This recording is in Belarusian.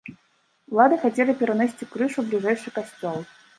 Улады хацелі перанесці крыж у бліжэйшы касцёл.